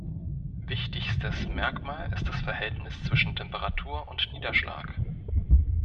Wichtigstes Merkmal ist das Verhältnis zwischen Temperatur und Niederschlag.